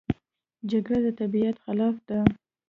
جګړه د طبیعت خلاف ده